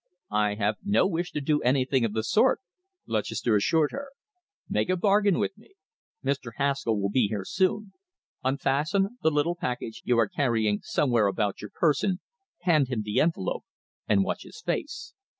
"I have no wish to do anything of the sort," Lutchester assured her. "Make a bargain with me. Mr. Haskall will be here soon. Unfasten the little package you are carrying somewhere about your person, hand him the envelope and watch his face.